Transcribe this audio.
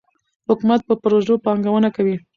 حکومت په پروژو پانګونه کوي.